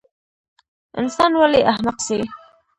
انسان ولۍ احمق سي؟